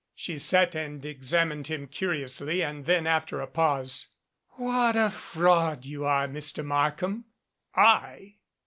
She sat and examined him curiously, and then, after a pause, "What a fraud you are, Mr. Markham !" "I?"